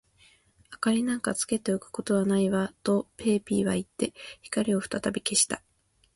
「明りなんかつけておくことはないわ」と、ペーピーはいって、光をふたたび消した。